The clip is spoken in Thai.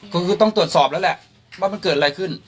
คือต้องตรวจสอบแล้วแหละว่ามันเกิดอะไรขึ้น